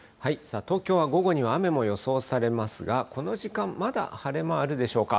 東京は午後には雨も予想されますが、この時間、まだ晴れ間あるでしょうか。